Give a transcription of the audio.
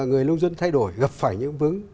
người nông dân thay đổi gặp phải những vấn